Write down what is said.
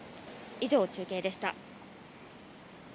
以上、中継でした。